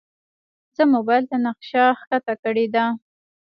زه موبایل ته نقشه ښکته کړې ده.